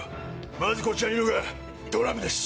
まずこちらにいるのがドラムです。